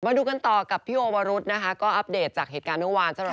มาดูกันต่อกับพี่โอวรุษนะคะก็อัปเดตจากเหตุการณ์เมื่อวาน